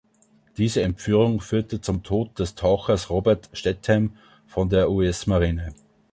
Diese Entführung führte zum Tod des Tauchers Robert Stethem von der US-Marine.